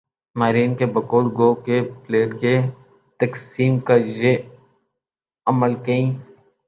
ماہرین کی بقول گو کہ پلیٹ کی تقسیم کا یہ عمل کئی